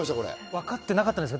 分かってなかったです。